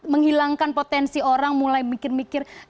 menghilangkan potensi orang mulai mikir mikir